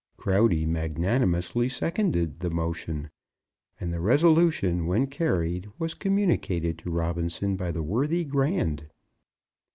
Crowdy magnanimously seconded the motion, and the resolution, when carried, was communicated to Robinson by the worthy Grand.